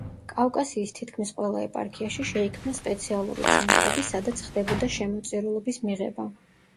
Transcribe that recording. კავკასიის თითქმის ყველა ეპარქიაში შეიქმნა სპეციალური ცენტრები სადაც ხდებოდა შემოწირულობის მიღება.